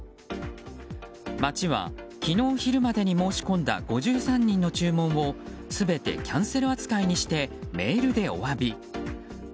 町は昨日昼までに申し込んだ５３人の注文を全てキャンセル扱いにしてメールでお詫び。